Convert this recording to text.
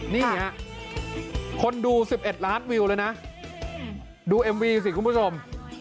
นี่ฮะคนดู๑๑ล้านวิวเลยนะดูเอ็มวีสิคุณผู้ชม